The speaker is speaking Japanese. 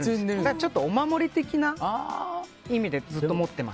ちょっと、お守り的な意味でずっと持っています。